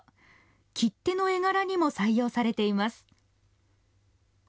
切手の絵柄にも採用されています。